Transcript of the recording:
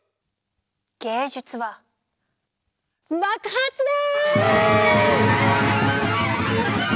芸術は爆発だ！